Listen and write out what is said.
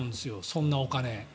そんなお金。